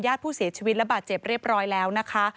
ผู้เสียชีวิตระบาดเจ็บเรียบร้อยแล้วนะคะ